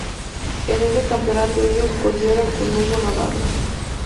En ese campeonato hizo collera con Hugo Navarro.